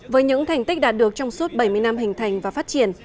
với những thành tích đạt được trong suốt bảy mươi năm hình thành và phát triển